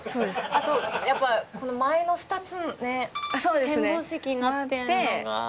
あとやっぱ前の２つね展望席になってるのが。